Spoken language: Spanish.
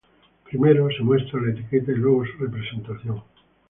Primero se muestra la etiqueta y luego su representación.